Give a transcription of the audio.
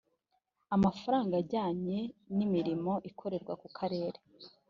amafaranga ajyanye n’imirimo ikorerwa ku karere